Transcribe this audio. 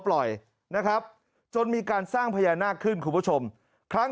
ปล่อยนะครับจนมีการสร้างพญานาคขึ้นคุณผู้ชมครั้ง